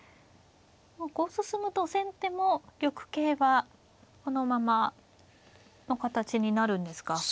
もうこう進むと先手も玉形はこのままの形になるんですか。